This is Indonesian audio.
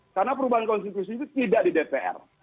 karena perubahan konstitusi itu tidak di dpr